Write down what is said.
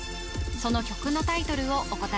その曲のタイトルをお答え